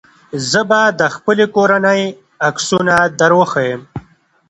زه به د خپلې کورنۍ عکسونه دروښيم.